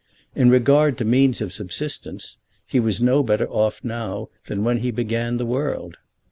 In regard to means of subsistence he was no better off now than when he began the world.